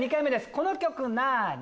この曲なに？